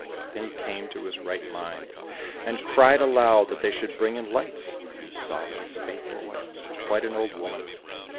Then he came to his right mind, and cried aloud that they should bring in lights, and he saw that his faithful wife was quite an old woman.